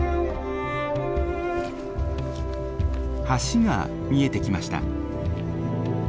橋が見えてきました。